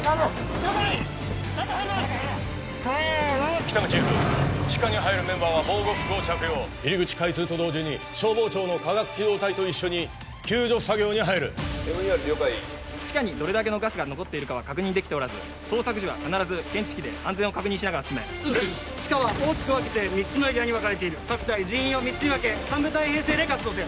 中入りますせーの喜多見チーフ地下に入るメンバーは防護服を着用入り口開通と同時に消防庁の化学機動隊と一緒に救助作業に入るＭＥＲ了解地下にどれだけのガスが残っているかは確認できておらず捜索時は必ず検知器で安全を確認しながら進め地下は大きく分けて３つのエリアに分かれている各隊人員を３つに分け三部隊編成で活動せよ